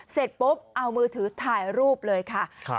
เสร็จปุ๊บเอามือถือถ่ายรูปเลยค่ะ